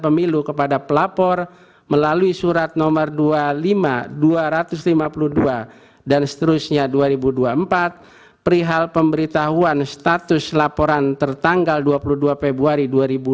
nomor tiga puluh lima dua ratus lima puluh dua dan seterusnya dua ribu dua puluh empat perihal pemberitahuan status laporan tertanggal dua puluh dua februari